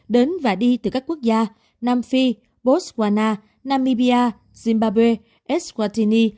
đến và đi từ các quốc gia nam phi botswana namibia zimbabwe swattini